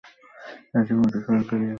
এটি মূলত সরকারি এবং প্রশাসনিক শহর।